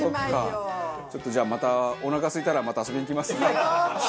バカリズム：ちょっと、じゃあおなかすいたらまた遊びに来ます。